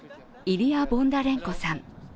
イリア・ボンダレンコさん。